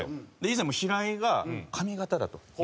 以前平井が「髪形だ」と。